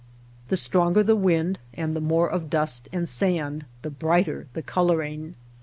The stronger the wind, and the more of dust and sand, the brighter the coloring.